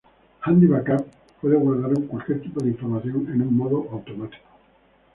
Handy Backup puede guardar cualquier tipo de información en un modo automático.